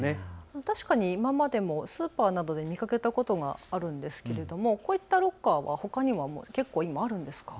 確かに今までもスーパーなどで見かけたことがあるんですがこういったロッカーはほかにも結構、今あるんですか。